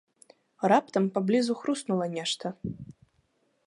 Раптам паблізу хруснула нешта.